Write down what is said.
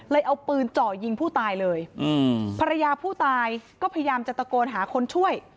เอาปืนเจาะยิงผู้ตายเลยอืมภรรยาผู้ตายก็พยายามจะตะโกนหาคนช่วย